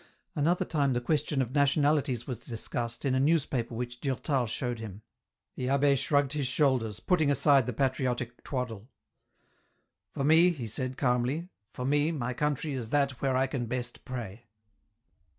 Another time the question of nationalities was discussed in a newspaper which Durtal showed him. The abbd shrugged his shoulders, putting aside the patriotic twaddle. " For me," he said calmly, " for me my country is that where I can best pray."